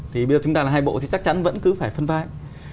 thì bây giờ chúng ta là hai bộ thì chắc chắn vẫn cứ phải phân vai